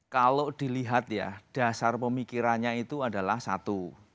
kalau dilihat ya dasar pemikirannya itu adalah satu